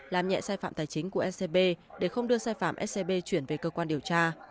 làm nhẹ sai phạm tài chính của scb để không đưa sai phạm scb chuyển về cơ quan điều tra